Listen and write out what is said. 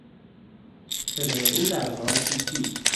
صدای او در غار پیچید.